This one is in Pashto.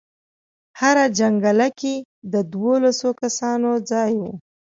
هره جنګله کې د دولسو کسانو ځای و.